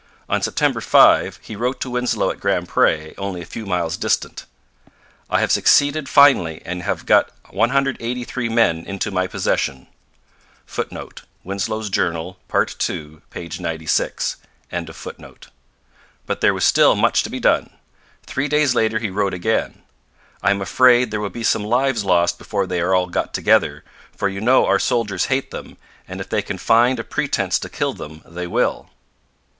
On September 5 he wrote to Winslow at Grand Pre, only a few miles distant: 'I have succeeded finely and have got 183 men into my possession.' [Footnote: Winslow's Journal, part ii, p. 96.] But there was still much to be done. Three days later he wrote again: 'I am afraid there will be some lives lost before they are got together, for you know our soldiers hate them, and if they can find a pretence to kill them, they will.'